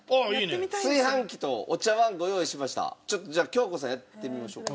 ちょっとじゃあ京子さんやってみましょうか。